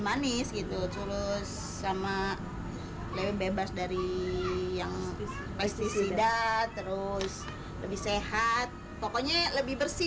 manis gitu terus sama lebih bebas dari yang pesticida terus lebih sehat pokoknya lebih bersih